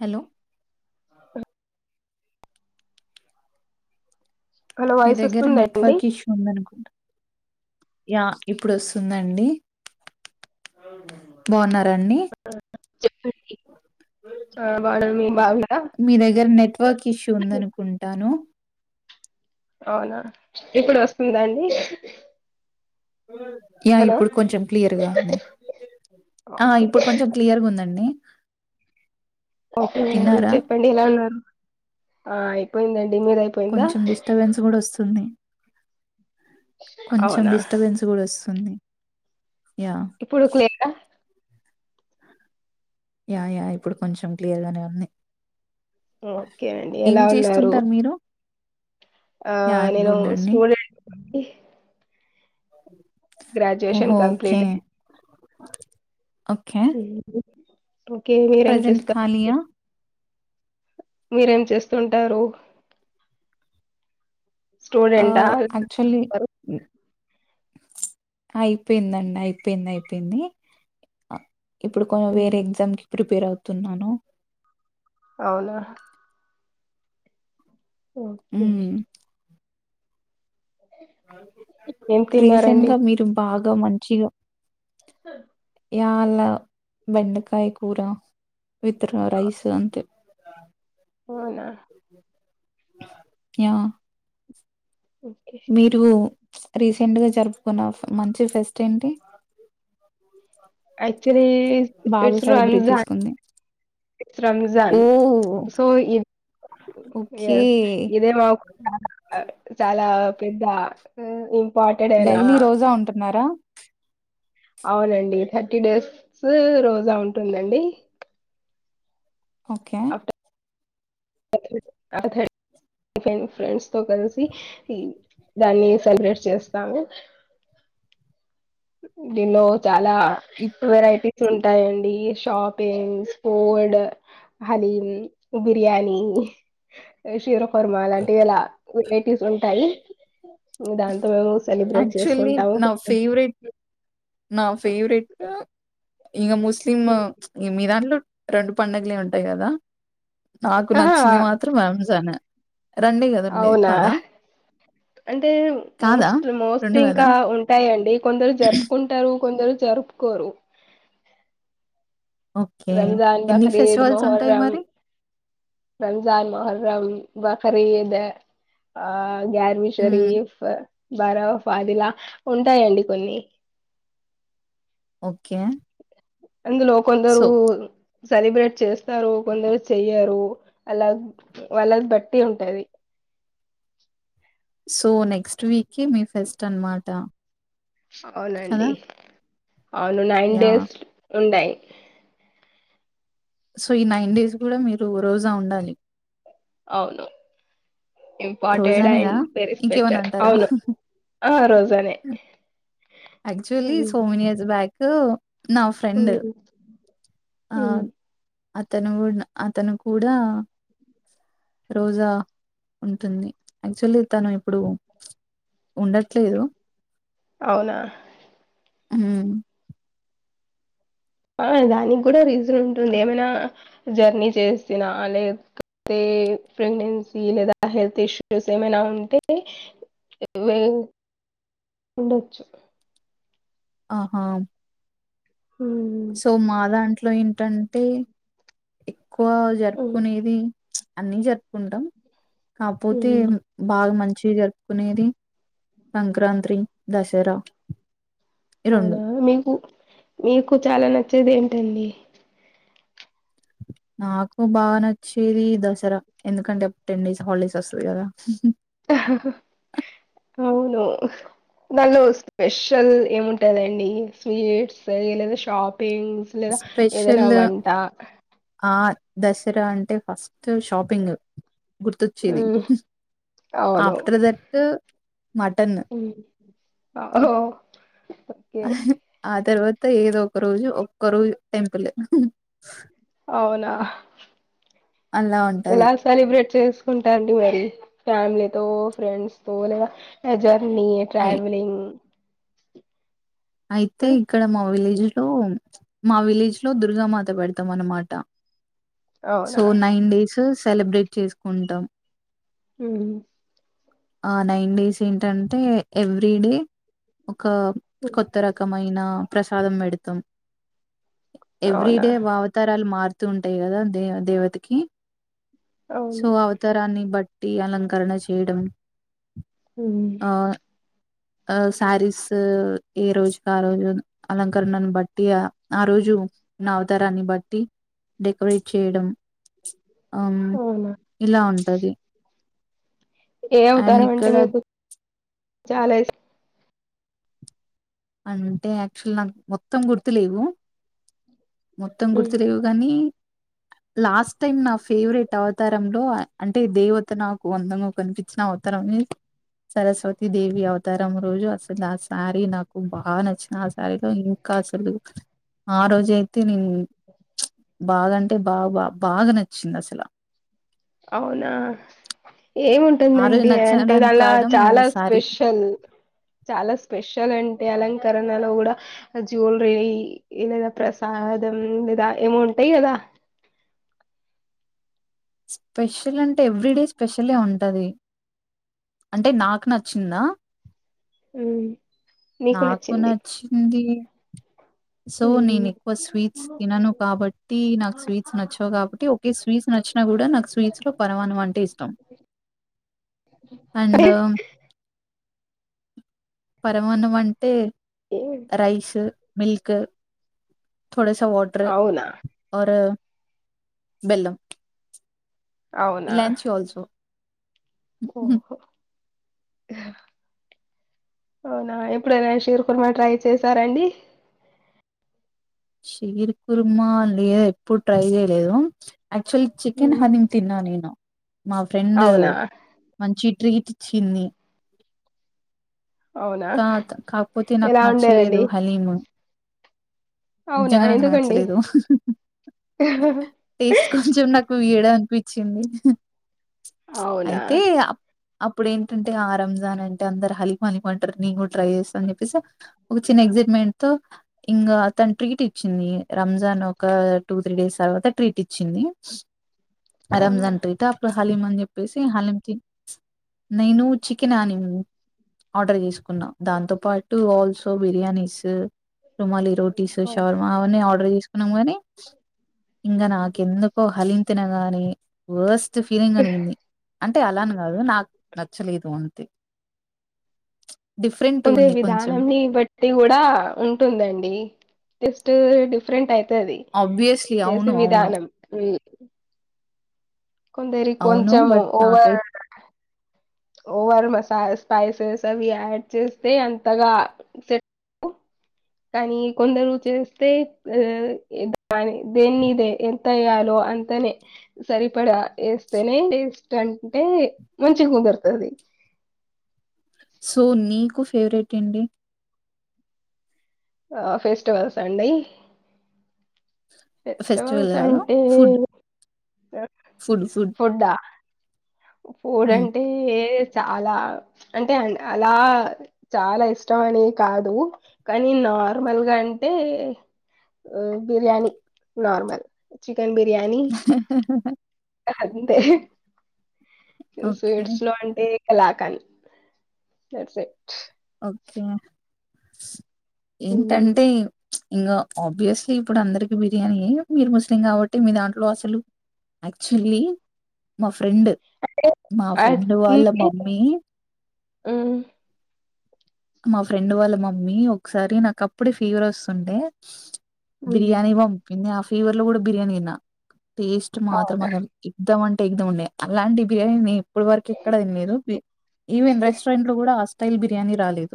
Hello hello మీ voice దగ్గర వస్తుందా అండి నెట్వర్క్ ఇష్యూ ఉందనుకుంటా యా ఇప్పుడు వస్తుందండి బాగున్నారు దాన్ని చెప్పండి మీ దగ్గర నెట్వర్క్ ఇష్యూ ఉంది అనుకుంటాను అవునా ఇప్పుడు వస్తుందా అండి యా హలో ఇప్పుడు కొంచెం క్లియర్ గా ఉంది ఆ ఓకే ఇప్పుడు కొంచెం క్లియర్గా ఉందండి ఓకే అండి తిన్నారా చెప్పండి ఎలా ఉన్నారు అయి పోయిందండి కొంచెం డిస్టర్బెన్స్ కూడా వస్తుంది కొంచెం అవునా డిస్టర్బెన్స్ కూడా వస్తుంది యా ఇప్పుడు క్లియరా యా యా ఇప్పుడు కొంచెం క్లియర్గానే ఉంది ఓకేనండి ఏం ఎలా ఉన్నారు చేస్తుంటారు మీరు ఆ యా ఐమ్ నేను గుడ్ అండి స్టూడెంట్ ఓహో గ్రాజ్యుయషన్ ఓకే కంప్లీట్ ఓకే ఉ ఓకే మీరేం ప్రజెంట్ చేస్తారండి ఖాళీయా మీరేం చేస్తుంటారు స్టూడెంట్ ఆ యాక్చువల్లీ అయిపోయిందండి అయిపోయింది అయిపోయింది ఇప్పుడు కొ వేర మ్మ్. ఎగ్జామ్ కి ప్రిపేర్ అవుతున్నాను అవున ఓకే మ్మ్ ఏం రీసెంట్ తిన్నారండి గా మీరు బాగా గ మంచిగా యాల బెండకాయ కూర విత్ర రైస్ అంతె అవునా యా ఓకే మీరు ప్చ్ రీసెంట్ గా జరుపుకున్న మంచి ఫెస్ట్ ఏంటి అక్చులీ బాగా ఇట్స్ సెలబ్రేట్ రంజాన్ చేసుకుంది రంజాన్ ఓ సో ఇ ఓకే ఎస్ ఇదే మాకు చ చాలా పెదా డైలీ రోజా ఉంటున్నారా అవునండి థర్టీ డేస్ రోజా ఉంటుందండి ఓకే ర్ ఆ ఫ్రెండ్స్ తో కలిసి దాన్ని సెలబ్రేట్ చేస్తాము డినో చాలా వెరైటీ ఉంటాయండి షాపింగ్ ఫూడ్ హలీం బిర్యానీ షీర ఫర్ మాలాంటి ఎలా ఉ కైటీస్ ఉంటాయి ను దాంతో మేము సెలబ్రేట్ యాక్చువల్లీ చేసుకుంటాము నా ఫేవరెట్ నా ఫేవరెటు ఇంగ ముస్లిం ఈ మీదాంట్లో రొండు పడుగలే ఉంటాయి కదా నాకు ఆహా నచ్చింది మాత్రం రంజాన్ రెండే కదా ఉండేది అవునా కాదా అంటే కాదా మోస్ట్ మోస్ట్ రెండు కదా ఇంకా ఉంటాయండి కొందరు జరుపుకుంటారు కొందరు జరుపుకోరు ఓకే రంజాన్ ఎన్ని బకరీద్ ఫెస్టివల్స్ ఉంటాయి మొహర్రం మరి రంజాన్ మొహర్రమ్ బకరదా ఆ గర్వీ హ్మ్. శరీఫ బరోవ ఫదిలా ఉంటాయండి కొన్ని ఓకే అందులో కొందరూ సో సెలబ్రేట్ చేస్తారు కొందరు చెయ్యరు అలా వాళ్ళది బట్టి ఉంటది సో నెక్స్ట్ వీకీ మీ ఫెస్ట్ అనమాట అవునండి అవును నైన్ యాహ్! డేస్ ఉంటాయి సో ఈ నైన్ డేస్ కూడా మీరు రోజా ఉండాలి అవును ఇంపార్టెడ్ రోజానేేనా అండ్ వెరీ ఇంకేమన్న స్పెషల్ అంటారా అవును ఆ రోజనే actually um, so many years back నా ఫ్రెండ్ ఉమ్, ఆ ఉమ్. అతను కు అతను కూడా రోజా ఉంటుంది యాక్చువల్లీ తను ఇప్పుడు ఉండట్లేదు అవునా ఉమ్ ఆ దాని కూడా రీజఅన్ ఉంటుంది ఏమైనా జర్నీ చేసినా లేకపోతే ప్రెగ్నెన్సీ లేదా హెల్త్ ఇష్యూస్ ఏమైనా ఉంటే వే ఉండచ్చు ఆహా ఉమ్, సో మాదా అన్ట్ ట్లో ఏంటంటే ఎక్కువ ఉమ్, జరుపుకునేది అన్నీ జరుపుకుంటాం కాకపోతే ఉమ్. బాగా మం మంచి జరుపుకునేది సంక్రాంత్రి దసరా ఈ అవునా మీకు మీకు చాలా నచ్చేది ఏంటండి నాకు బాగ నచ్చేది దసరా ఎందుకంటే అప్పుడు టెన్ డేస్ హాలిడేస్ వస్సది కదా హా హా అవును దాన్లో స్పెషల్ ఏముంటాందండి స్వీట్స్ లే లేదా షాప్ పెంగ్స్ లేదా ఏదనా స్పెషల్ వన్టా ఆ దసరా అంటే ఫస్ట్ షాపింగ్ గుర్తొచ్చేది హ్మ్. అవును. ఆఫ్టర్ దట్ మటన్ ఆ ఓ ఆ తర్వా త ఏదో ఒక రోజు ఒక్క రోజు టెంపులే అవునా అలా ఉంటది ఎలా సెలిబ్రేట్ చేస్ చేసుకుంటాం రండి మరి ఫ్యామిలీతో ఫ్రెండ్స్ తో లేద జ ర్నీ అయి ట్రావెలింగ్ అయితే హ్మ్. ఇక్కడ మా విలేజ్ లో మా విలేజ్ లో దుర్గామాత పెడతాం అన్నమాట అవునా? సో నైన్ డేసస్ సెలబ్రేట్ చేసుకుంటాం ఉ ఆ నైన్ డేస్ ఏంటంటే ఎవ్రీ డే ఒక హ్మ్. కొత్త రకం అయినా ప్రసాదం పెడతాం ఎవ్రీ అవునా? డే వావతారాలు మారు తూ ఉంటాయి కదా దేవ దేవతకి సో అవును. అవతారన్ని బట్ ట్టి అలంకరణ చేయడం ఉ ఆ ఆ సారిస్ ఏ రోజుకి ఆ రోజు అలంకరణను బట్టి ఆ ఆ రోజు ఉ న్న అవతారాన్ని బట్టి డెకరేట్ చేయడం ఆమ్ అవునా? ఇలా ఉంటది ఏ అండ్ అవుతారం అంటే ఇక్కడ మీకు చాలా ఇస్ అంటే యాక్చువల్ నాకు మొత్తం గుర్తు లేవు మొత్తం హ్మ్. గుర్తులేవు గానీ లాస్ట్ టైమ్ నా ఫేవరెట్ అవతారంలో అంటే దేవత నాకు అందంగా కనిపించిన అవతారంని సరస్వతి దేవి అవతారం రోజు అసలు ఆ సారి నాకు నాకు బాగా నచ్చింది ఆ సారిలో ఇంకా అసలు ఆ రోజు అయితే నేను బాగాంటే బా బా బాగా నచ్చింది అసల అవునా ఆ రోజు ఏముంటుందండి అంటే నచ్చడానికి దాండ్ల కారణం ఏదో చాలా సారీ. స్పెషల్ చాలా స్పెషల్ అం అలంకరణలో కూడా జ్యువలరీ లేదా ప్రసాదం లేదా ఏమో ఉంటాయి కదా స్పెషల్ అంటే ఎవ్రీ డే స్పెషలే ఉంటది అంటే నాకు నచ్చిందా ఊ నాకు నచ్చింది సో నేను ఉమ్, ఎక్కువ స్వీట్స్ తినను కాబట్టి నాకు స్వీట్స్ నచ్చవు కాబట్టి ఒకే స్వీట్స్ నచ్చినా కూడా నాకు స్వీట్స్ లో పరవాన్నము అంటే ఇష్టం అండు పరమాన్నం అంటే రైసు మిల్క్ తోడాస వాటర్ అవునా ఆర్ బెల్లం అవునా ఇలాంచి ఆల్సో హుహు. ఓహో అవునా ఎప్పుడైనా షీరు కుర్మా ట్రై చేశారండి షీర్ కుర్మా లే ఎప్పుడు ట్రై చేయలేదు ఆక్చులీ చికెన్ హలీమ్ తిన్నా నేను మా ఫ్రెండ్ అవునా మంచి ట్రీట్ చిన్ని అవునా తాత్ కాకపోతే నాకు ఎలా ఉండేనండి నచ్చలేదు హలీము అవునా నిజంగా నాకు ఎందుకండి నచ్చలేదు టేస్ట్ కొంచెం నాక్ కు ఈడ అన్పిచ్చింది అవునా అయితే అప్పుడు ఏంటంటే ఆ రంజాన్ అంటే అందరు హలిం అని వంటరు నేను కూడా ట్రై చేస్తా అని చెప్పేసి ఒక చిన్న ఎగ్జైట్మెంట్ తో ఇంగా తను ట్రీట్ ఇచ్చింది రంజాన్ ఒక టూ త్రీ డేస్ తర్వాత ట్రీట్ ఇచ్చింది ఆ అవునా రంజాన్ ట్రీటు అప్పుడ హలీం అని చెప్పేసి హలీం తి నేను చికెనాని ఆర్డర్ చేసుకున్నా దాంతో పాటు ఆల్సో బిర్యానీస్ రుమాలి రోటీస్ అవును. షవర్మా అవన్నీ ఆర్డర్ చేసుకున్నాం గానీ ఇంగ నాకెందుకో హలీం తిన గాని వోస్ త్ ఫీలింగ్ అనిగింది అంటే అలా అని కాదు నాకు నచ్చలేదు అంతే డిఫరెంట్ కొనే ఉంది కొంచెం విధానం ని బట్టి గూడా ఉంటుందండి టెస్ట్ డిఫరెంట్ ఐ వది ఆబ్వియస్లీ చేసే అవును అవును విధానం కొందరి అవును కొంచెం బట్ వ నాకైతే ఓవర్ మసాలా స్పైసెస్ అవి యాడ్ చేస్తే అంతగాట్ కానీ కొందరు చేస్తే దేన్నిద ఎంత వే్యాలో అంతనే సరిపడా వేస్తేనే టేస్ అంటే మంచి కుదరుంది అది సో నీకు ఫేవరెట్ అండి ఆ ఫేస్టువల్స్ అండి ఫెస్టివల్ ఫెస్టివల్స్ కాదు అంటే ఫుడ్ ఫుడ్ ఆ ఫూర్ అంటే ఏర్ చాలా అంటే అలా చాలా ఇష్టం అనే కాదు కానీ నార్మల్ గా అంటే బిర్యానీ నార్మల్ చికన్ బిర్యానీ అంతే ఓకే స్వీట్స్ లో అంటే ఎలాఖని ఓకే హ్మ్. ఏంటంటే ఇంకా ఆబ్వియస్లీ ఇప్పుడు అందరికి బిర్యానీ మీరు ముస్లిం కాబట్టి మీ దాంట్లో అసలు యాక్చువల్లీ మా ఫ్రెండ్ మా ఫ్రెండ్ వాళ్ళ మమ్మీ హ్మ్. మా ఫ్రెండ్ వాళ్ళ మమ్మీ ఒకసారి నాక అప్పుడే ఫీవర్ వస్తుండే హ్మ్. బిర్యానీ వం ఆ ఫీవర్ల కూడా బిర్యానీ తిన్నా టేస్ట్ మాత్రం అవునా! అ ఎద్దామంటే ఎగద ఉండే అలాంటి బిర్యానీ ఇప్పుడు వరకి ఎక్కడే కద మీరు ఈవెన్ రెస్టారెంట్ లో కూడా ఆ స్టైల్ బిర్యా బిర్యానీ రాలేదు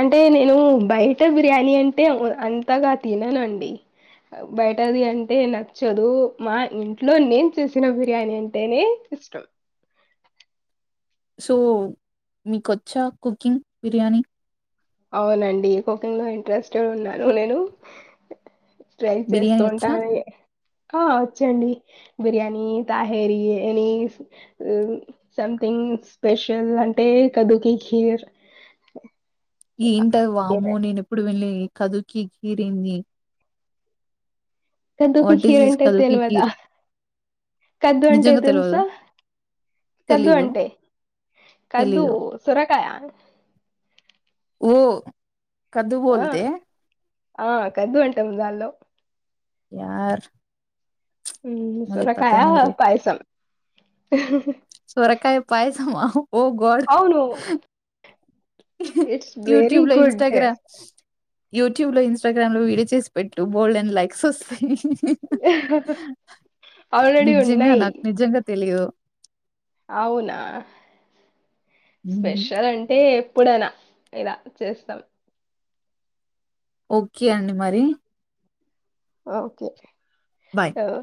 అంటే నేను బయట బిర్యానీ అంటే అంతగా తినను అండి బయటది అంటే నచ్చదు మా ఇంట్లో నేను చేసిన బిర్యానీ అంటేనే ఇష్టం సో మీకుొచ్చా కుకింగ్ బిర్యానీ అవునండి కుకింగ్ లో ఇంట్రెస్టెడ్ ఉన్నాను నేను ట్రై చేస్తూ బిర్యానీ వచ్చా? ఉంటానండి ఆ వచ్చేండి biryani tahari any something special అంటే కదుకి ఖీర్ ఏంటది వాము నేను ఎప్పుడు వెళ్ళి ళు కదుకి గీరింది కద్దుకి ఈస్ కీర దిస్ అంటే కదుకి తెలివదా కీర్ కద్దు అంటే నిజంగా తెల్వదు తెలుసా కద్దు తెలీదు అంటే కద్దు తెలీదు సురకాయా ఓ కద్దు బోల్తే ఆ కద్దు అంటాము దాన్లో యార్ ముజే పతా సోరకాయా నహీ రే పయసం సొరకాయ పాయసం అ ఓ గడ్ అవును. ఇట్స్ వెరీ గుడ్ స్ యూట్యూబ్ లో ఇన్స్టాగ్రామ్ లో వీడియో చేసి పెట్టు బోల్డ్ అండ్ లైక్స్ వస్తాయి అనడి నిజంగా ఉన్నాయి నాకు నిజంగా తెలియదు అవునా స్పెషల్ అంటే ఎప్పుడైనా ఇలా చేస్తాం ఓకే అండి మరి ఓకే బాయ్ అవు